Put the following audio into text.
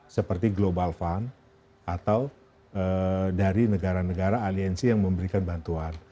seperti global fund atau dari negara negara aliansi yang memberikan bantuan